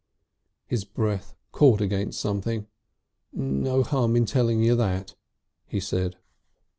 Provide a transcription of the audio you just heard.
His breath caught against something. "No harm in telling you that," he said.